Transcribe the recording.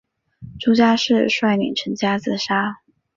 朱家仕率领全家自杀。